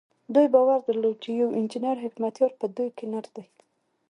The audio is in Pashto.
دوی باور درلود چې يو انجنير حکمتیار په دوی کې نر دی.